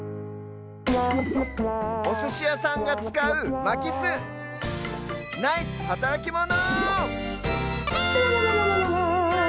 おすしやさんがつかうまきすナイスはたらきモノ！